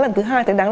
lần thứ hai thấy đắng